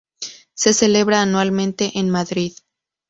Se celebra anualmente en Madrid.